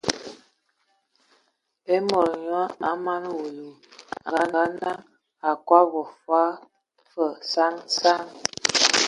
E mɔn nyɔ a mana wulu, a ngaa-naŋ, a kɔbɔgɔ fɔɔ fəg a saŋ saŋ saŋ.